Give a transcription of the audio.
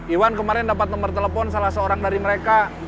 iwan kemarin dapat nomor telepon salah seorang dari mereka